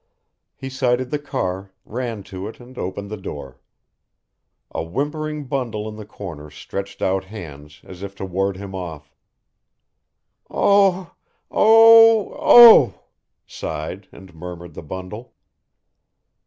He sighted the car, ran to it and opened the door. A whimpering bundle in the corner stretched out hands as if to ward him off. "Oh! oh! oh!" sighed and murmured the bundle.